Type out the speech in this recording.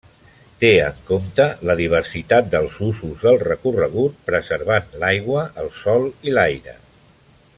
Té en compte la diversitat dels usos del recorregut preservant l'aigua, el sòl i l'aire.